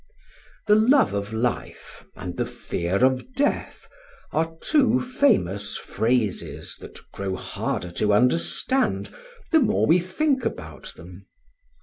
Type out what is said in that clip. The love of Life and the fear of Death are two famous phrases that grow harder to understand the more we think about them.